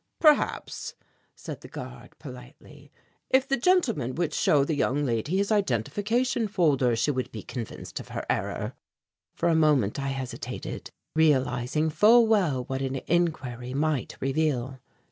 "Perhaps," said the guard politely, "if the gentleman would show the young lady his identification folder, she would be convinced of her error." For a moment I hesitated, realizing full well what an inquiry might reveal.